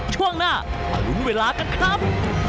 ช่วงหน้ามาลุ้นเวลากันครับ